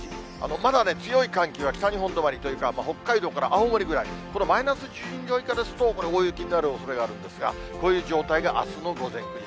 まだね、強い寒気は北日本止まりというか、北海道から青森ぐらい、このマイナス１２度以下ですと、これ、大雪になるおそれがあるんですが、こういう状態があすの午前９時。